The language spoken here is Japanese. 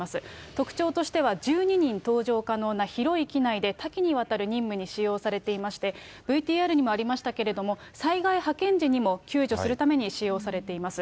特徴としては１２人搭乗可能な広い機内で、多岐にわたる任務に使用されていまして、ＶＴＲにもありましたけれども、災害派遣時にも救助するために使用されています。